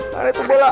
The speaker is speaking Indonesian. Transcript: tarik tuh bola